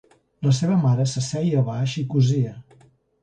La seva mare s'asseia a baix i cosia.